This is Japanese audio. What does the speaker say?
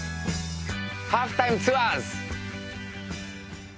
『ハーフタイムツアーズ』！